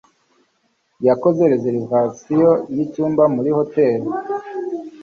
Yakoze reservation yicyumba muri hoteri.